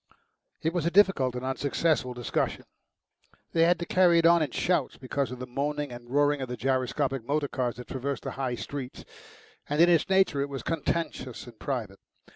It was a difficult and unsuccessful discussions. They had to carry it on in shouts because of the moaning and roaring of the gyroscopic motor cars that traversed the High Street, and in its nature it was contentious and private.